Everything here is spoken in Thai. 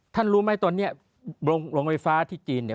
รู้ไหมตอนนี้โรงไฟฟ้าที่จีนเนี่ย